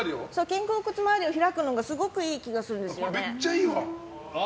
肩甲骨周りを開くのがすごくいい気がするんです。